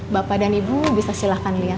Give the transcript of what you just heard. bapak dan ibu bisa silahkan lihat